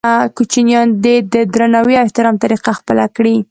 کوچنیان دې د درناوي او احترام طریقه خپله کړي.